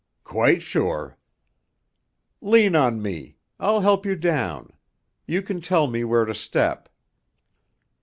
"Quite sure." "Lean on me! I'll help you down. You can tell me where to step."